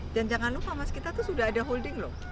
dan jangan lupa mas kita tuh sudah ada holding loh